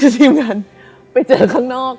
ทีมงานไปเจอข้างนอก